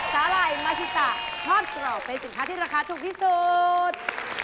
สาหร่ายมาชิตะทอดกรอบเป็นสินค้าที่ราคาถูกที่สุด